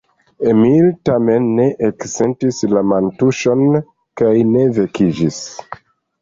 Emil tamen ne eksentis la mantuŝon kaj ne vekiĝis.